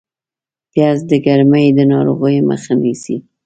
پیاز د ګرمۍ د ناروغیو مخه نیسي